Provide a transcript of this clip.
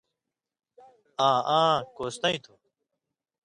”آں آں کوستَیں تُھو۔